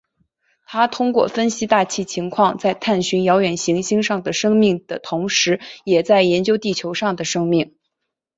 他通过分析大气情况在探寻遥远行星上的生命的同时也在研究地球上的生命。